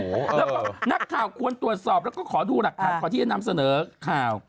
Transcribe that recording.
แล้วก็นักข่าวควรตรวจสอบแล้วก็ขอดูหลักฐานก่อนที่จะนำเสนอข่าว